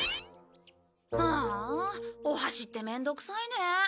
ああお箸ってめんどくさいね。